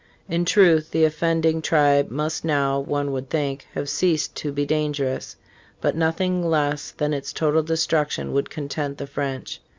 In truth " the offending tribe must now, one would think, have ceased to be dangerous," but nothing less than its total destruction would content the French.